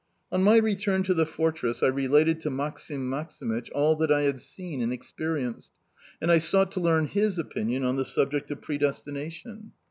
On my return to the fortress I related to Maksim Maksimych all that I had seen and experienced; and I sought to learn his opinion on the subject of predestination.